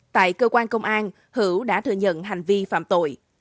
tại cơ quan công an hữu đã thừa nhận hành vi phạm tội